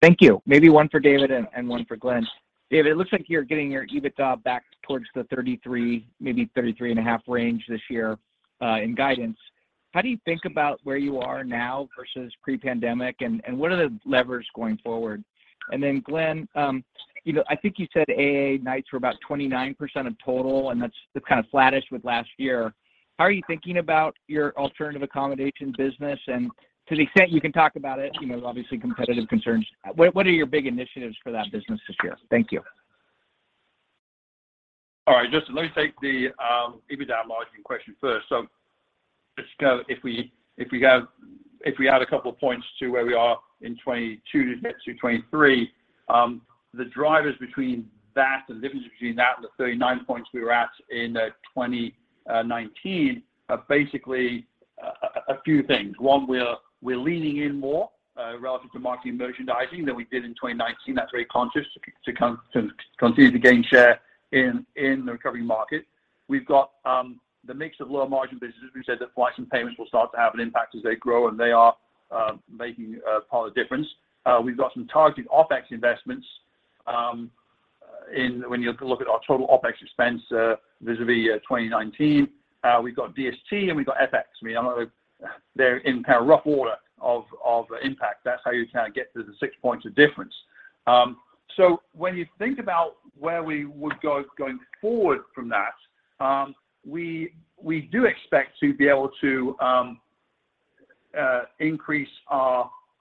Thank you. Maybe one for David and one for Glenn. David, it looks like you're getting your EBITDA back towards the 33, maybe 33.5 range this year in guidance. How do you think about where you are now versus pre-pandemic, and what are the levers going forward? Then Glenn, you know, I think you said AA nights were about 29% of total, and that's kind of flattish with last year. How are you thinking about your alternative accommodation business? To the extent you can talk about it, you know, obviously competitive concerns, what are your big initiatives for that business this year? Thank you. All right, Justin, let me take the EBITDA margin question first. If we add a couple of points to where we are in 2022 to 2023, the drivers between that, the difference between that and the 39 points we were at in 2019 are basically a few things. One, we're leaning in more relative to marketing and merchandising than we did in 2019. That's very conscious. To continue to gain share in the recovery market. We've got the mix of lower margin businesses. We've said that flights and payments will start to have an impact as they grow, and they are making a part of difference. We've got some targeted OpEx investments when you look at our total OpEx expense vis-à-vis 2019. We've got DST and we've got FX. I mean, I know they're in kind of rough order of impact. That's how you kind of get to the 6 points of difference. When you think about where we would go going forward from that, we do expect to be able to increase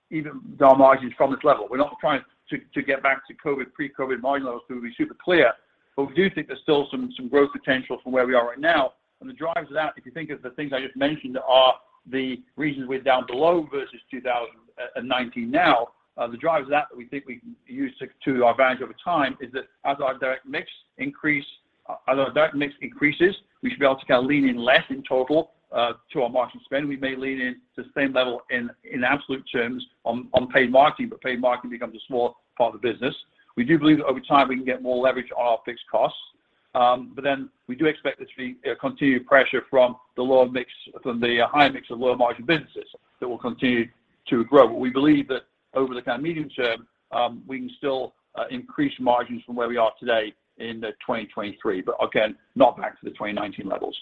even our margins from this level. We're not trying to get back to COVID, pre-COVID margin levels, to be super clear, but we do think there's still some growth potential from where we are right now. The drivers of that, if you think of the things I just mentioned, are the reasons we're down below versus 2019 now. The drivers of that we think we can use to our advantage over time is that as our direct mix increases, we should be able to kind of lean in less in total to our margin spend. We may lean in to the same level in absolute terms on paid marketing, but paid marketing becomes a smaller part of the business. We do believe that over time, we can get more leverage on our fixed costs. We do expect there to be, you know, continued pressure from the high mix of lower margin businesses that will continue to grow. We believe that over the kind of medium term, we can still increase margins from where we are today into 2023. Again, not back to the 2019 levels.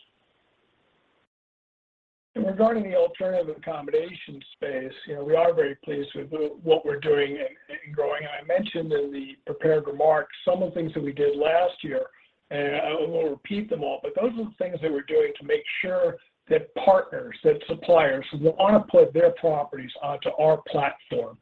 Regarding the alternative accommodation space, you know, we are very pleased with what we're doing and growing. I mentioned in the prepared remarks some of the things that we did last year, and I won't repeat them all, but those are the things that we're doing to make sure that partners, that suppliers will want to put their properties onto our platform.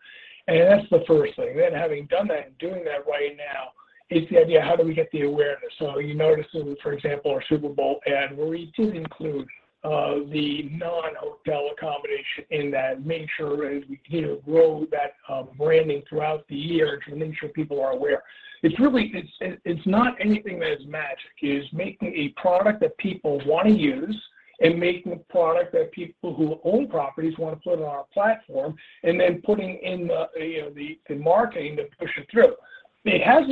That's the first thing. Having done that and doing that right now is the idea of how do we get the awareness? You notice in, for example, our Super Bowl ad where we do include the non-hotel accommodation in that, making sure as we, you know, grow that branding throughout the year to making sure people are aware. It's not anything that is magic. It is making a product that people want to use and making a product that people who own properties want to put on our platform, and then putting in, you know, the marketing to push it through. It has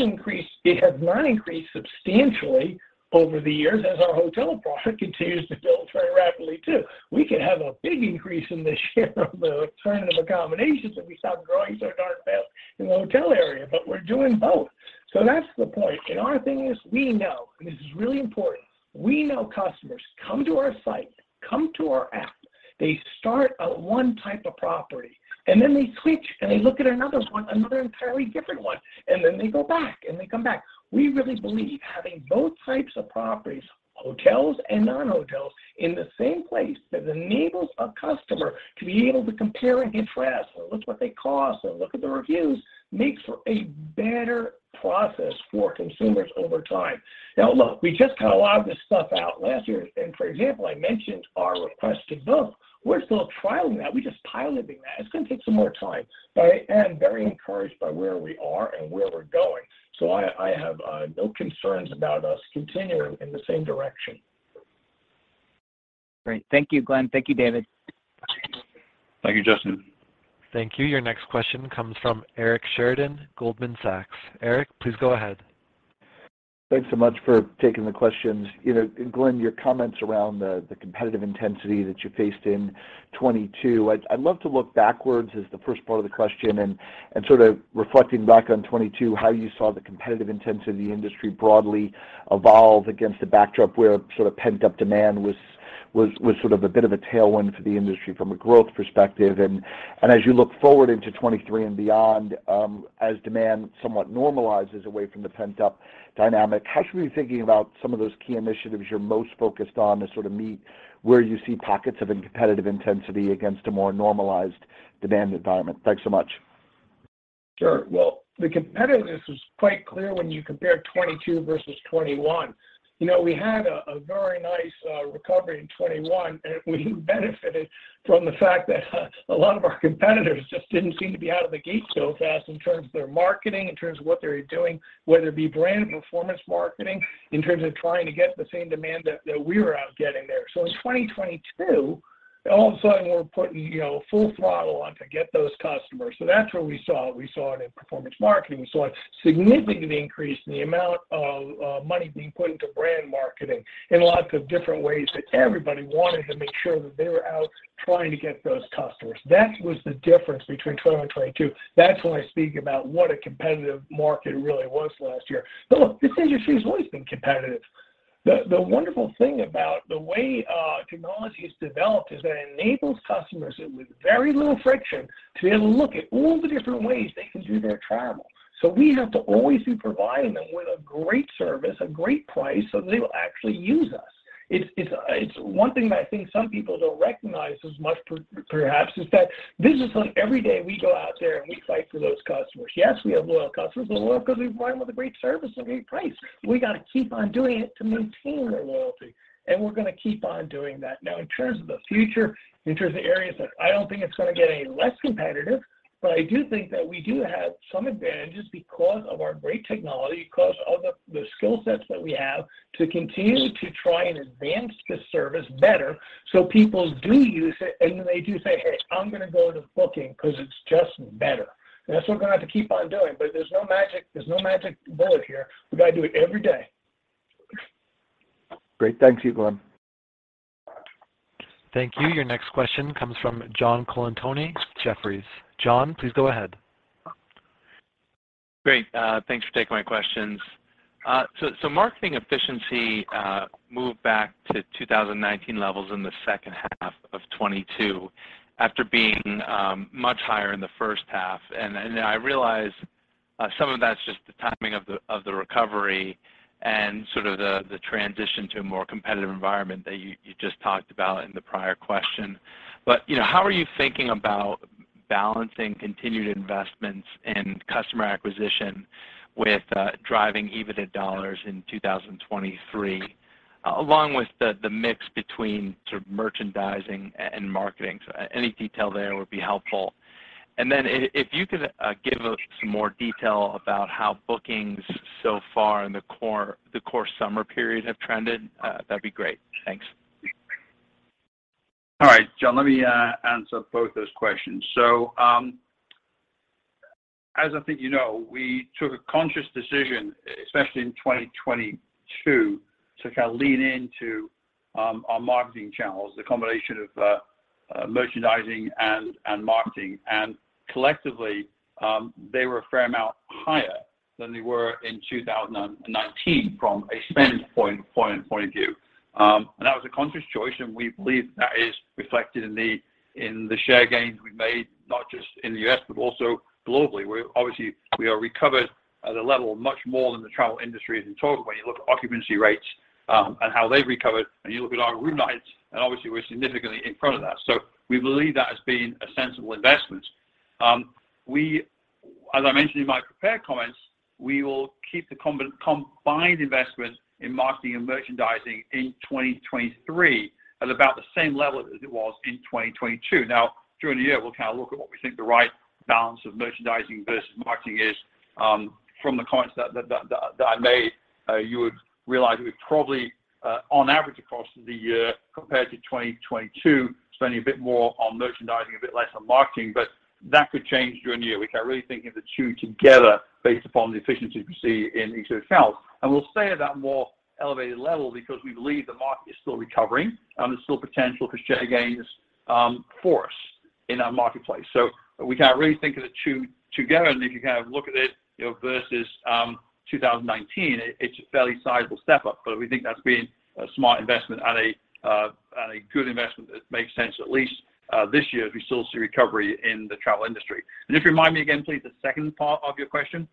not increased substantially over the years as our hotel product continues to build very rapidly too. We could have a big increase in the share of the alternative accommodations if we stop growing so darn fast in the hotel area, but we're doing both. That's the point. Our thing is we know, and this is really important, we know customers come to our site, come to our app. They start at one type of property, and then they switch, and they look at another one, another entirely different one, and then they go back, and they come back. We really believe having both types of properties, hotels and non-hotels, in the same place that enables a customer to be able to compare and contrast or look what they cost or look at the reviews, makes for a better process for consumers over time. Now look, we just got a lot of this stuff out last year. For example, I mentioned our request to book. We're still trialing that. We're just piloting that. It's going to take some more time. I am very encouraged by where we are and where we're going. I have no concerns about us continuing in the same direction. Great. Thank you, Glenn. Thank you, David. Thank you, Justin. Thank you. Your next question comes from Eric Sheridan, Goldman Sachs. Eric, please go ahead. Thanks so much for taking the questions. You know, Glenn, your comments around the competitive intensity that you faced in 2022, I'd love to look backwards as the first part of the question and sort of reflecting back on 2022, how you saw the competitive intensity of the industry broadly evolve against the backdrop where sort of pent-up demand was sort of a bit of a tailwind for the industry from a growth perspective. As you look forward into 2023 and beyond, as demand somewhat normalizes away from the pent-up dynamic, how should we be thinking about some of those key initiatives you're most focused on to sort of meet where you see pockets of competitive intensity against a more normalized demand environment? Thanks so much. Sure. Well, the competitiveness was quite clear when you compare 2022 versus 2021. You know, we had a very nice recovery in 2021, and we benefited from the fact that a lot of our competitors just didn't seem to be out of the gate so fast in terms of their marketing, in terms of what they were doing, whether it be brand performance marketing, in terms of trying to get the same demand that we were out getting there. In 2022, all of a sudden we're putting, you know, full throttle on to get those customers. That's where we saw it. We saw it in performance marketing. We saw a significant increase in the amount of money being put into brand marketing in lots of different ways that everybody wanted to make sure that they were out trying to get those customers. That was the difference between 21 and 22. That's when I speak about what a competitive market really was last year. Look, this industry has always been competitive. The wonderful thing about the way technology has developed is that it enables customers with very little friction to be able to look at all the different ways they can do their travel. We have to always be providing them with a great service, a great price, so they will actually use us. It's one thing that I think some people don't recognize as much perhaps is that this is something every day we go out there and we fight for those customers. Yes, we have loyal customers. They're loyal because we provide them with a great service and great price. We got to keep on doing it to maintain their loyalty, and we're going to keep on doing that. In terms of the future, in terms of areas that I don't think it's going to get any less competitive, but I do think that we do have some advantages because of our great technology. Well, you close all the skill sets that we have to continue to try and advance the service better so people do use it, and then they do say, "Hey, I'm gonna go to Booking.com 'cause it's just better." That's what we're gonna have to keep on doing, but there's no magic bullet here. We gotta do it every day. Great. Thanks, you Glenn. Thank you. Your next question comes from John Colantuoni, Jefferies. John, please go ahead. Great. thanks for taking my questions. So marketing efficiency moved back to 2019 levels in the second half of 2022 after being much higher in the first half. I realize some of that's just the timing of the recovery and sort of the transition to a more competitive environment that you just talked about in the prior question. You know, how are you thinking about balancing continued investments in customer acquisition with driving EBITDA dollars in 2023, along with the mix between sort of merchandising and marketing? Any detail there would be helpful. Then if you could give us some more detail about how bookings so far in the core summer period have trended, that'd be great. Thanks. All right, John. Let me answer both those questions. As I think you know, we took a conscious decision, especially in 2022, to kind of lean into our marketing channels, the combination of merchandising and marketing. Collectively, they were a fair amount higher than they were in 2019 from a spend point of view. That was a conscious choice, and we believe that is reflected in the, in the share gains we made, not just in the U.S., but also globally, where obviously we are recovered at a level much more than the travel industry in total when you look at occupancy rates, and how they've recovered, and you look at our room nights, and obviously we're significantly in front of that. We believe that has been a sensible investment. As I mentioned in my prepared comments, we will keep the combined investment in marketing and merchandising in 2023 at about the same level as it was in 2022. During the year, we'll kind of look at what we think the right balance of merchandising versus marketing is. From the comments that I made, you would realize we're probably on average across the year compared to 2022, spending a bit more on merchandising, a bit less on marketing, but that could change during the year. We kind of really think of the two together based upon the efficiency we see in each of the accounts. We'll stay at that more elevated level because we believe the market is still recovering, and there's still potential for share gains for us in our marketplace. We kind of really think of the two together. If you kind of look at it, you know, versus, 2019, it's a fairly sizable step up. We think that's been a smart investment and a good investment that makes sense at least, this year as we still see recovery in the travel industry. If you remind me again, please, the second part of your question.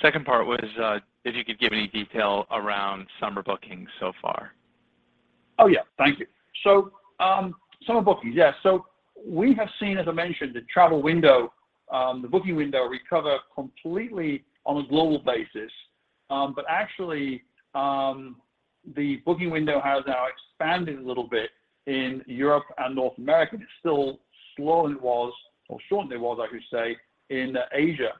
Second part was, if you could give any detail around summer bookings so far. Oh, yeah. Thank you. Summer bookings. Yes. We have seen, as I mentioned, the travel window, the booking window recover completely on a global basis. Actually, the booking window has now expanded a little bit in Europe and North America. It's still slower than it was or shorter than it was, I should say, in Asia.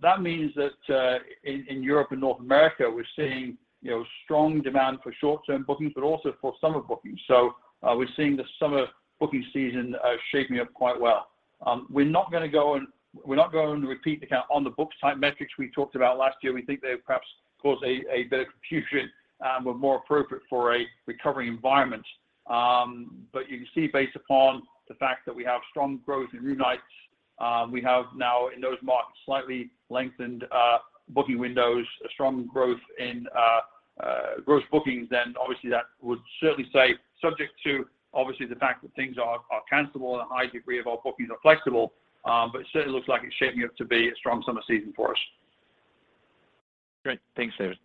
That means that, in Europe and North America, we're seeing, you know, strong demand for short-term bookings, but also for summer bookings. We're seeing the summer booking season, shaping up quite well. We're not going to repeat the kind of on the books type metrics we talked about last year. We think they perhaps cause a bit of confusion, were more appropriate for a recovery environment. You can see based upon the fact that we have strong growth in room nights, we have now in those markets slightly lengthened booking windows, a strong growth in gross bookings, then obviously that would certainly say subject to obviously the fact that things are cancelable and a high degree of our bookings are flexible, but it certainly looks like it's shaping up to be a strong summer season for us. Great. Thanks, David.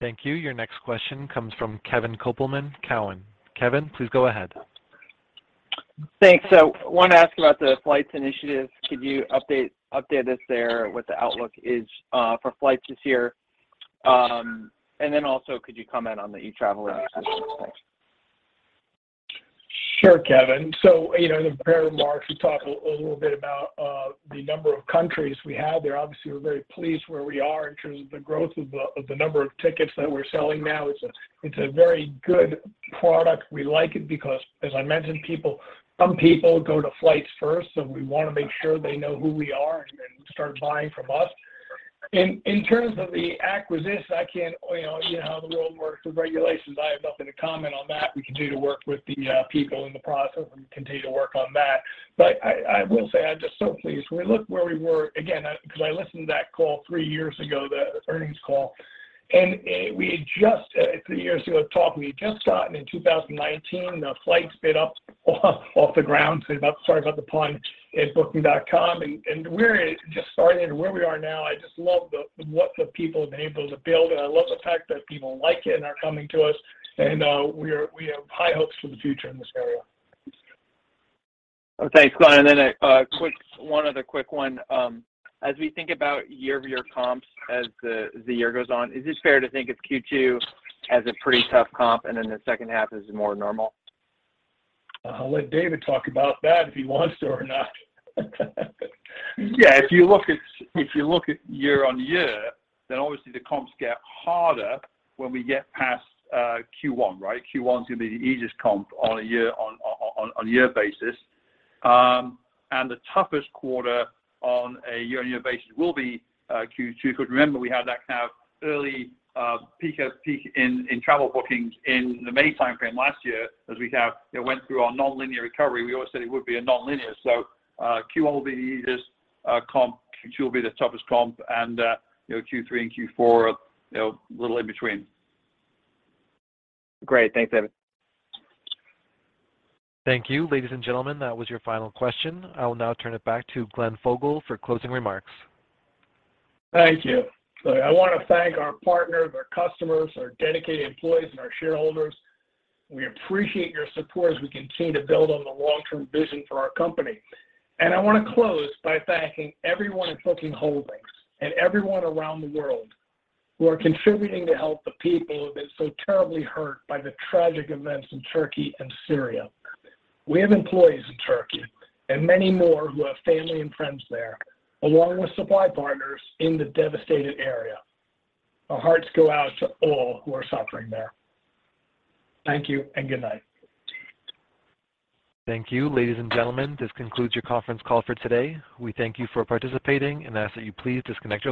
Thank you. Your next question comes from Kevin Kopelman, Cowen. Kevin, please go ahead. Thanks. Wanna ask about the Flights initiative. Could you update us there what the outlook is for Flights this year? Also could you comment on the Etraveli access? Thanks. Sure, Kevin. You know, in the prepared remarks, we talked a little bit about the number of countries we have there. Obviously, we're very pleased where we are in terms of the growth of the number of tickets that we're selling now. It's a very good product. We like it because, as I mentioned, some people go to Flights first, so we wanna make sure they know who we are and start buying from us. In terms of the acquisition, you know, you know how the world works with regulations. I have nothing to comment on that. We continue to work with the people in the process and continue to work on that. I will say I'm just so pleased. We look where we were, again, 'cause I listened to that call three years ago, the earnings call, we had just three years ago talking, we had just gotten in 2019, the Flights bit up off the ground, sorry about the pun, at Booking.com. We're just starting at where we are now. I just love the, what the people have been able to build, and I love the fact that people like it and are coming to us. We have high hopes for the future in this area. Thanks, Glenn. One other quick one. As we think about year-over-year comps as the year goes on, is it fair to think it's Q2 as a pretty tough comp, and in the second half is more normal? I'll let David talk about that if he wants to or not. Yeah. If you look at, if you look at year-on-year, obviously the comps get harder when we get past Q1, right? Q1 is gonna be the easiest comp on a year basis. The toughest quarter on a year-on-year basis will be Q2. Remember, we had that kind of early peak in travel bookings in the May timeframe last year as we went through our nonlinear recovery. We always said it would be a nonlinear. Q1 will be the easiest comp. Q2 will be the toughest comp. You know, Q3 and Q4 are, you know, little in between. Great. Thanks, David. Thank you. Ladies and gentlemen, that was your final question. I will now turn it back to Glenn Fogel for closing remarks. Thank you. I wanna thank our partners, our customers, our dedicated employees and our shareholders. We appreciate your support as we continue to build on the long-term vision for our company. I wanna close by thanking everyone at Booking Holdings and everyone around the world who are contributing to help the people that are so terribly hurt by the tragic events in Turkey and Syria. We have employees in Turkey and many more who have family and friends there, along with supply partners in the devastated area. Our hearts go out to all who are suffering there. Thank you and good night. Thank you. Ladies and gentlemen, this concludes your conference call for today. We thank you for participating and ask that you please disconnect.